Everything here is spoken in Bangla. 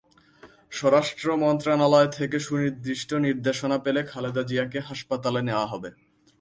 স্বরাষ্ট্র মন্ত্রণালয় থেকে সুনির্দিষ্ট নির্দেশনা পেলে খালেদা জিয়াকে হাসপাতালে নেওয়া হবে।